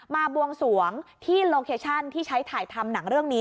บวงสวงที่โลเคชั่นที่ใช้ถ่ายทำหนังเรื่องนี้